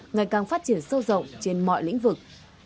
ngày càng phát triển sâu rộng trên mọi lĩnh vực